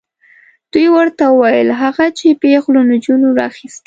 دوی ورته وویل هغه چې پیغلو نجونو راخیستې.